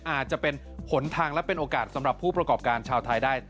อาจจะเป็นหนทางและเป็นโอกาสสำหรับผู้ประกอบการชาวไทยได้